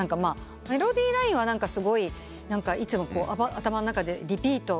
メロディーラインはすごいいつも頭の中でリピートしちゃうというか。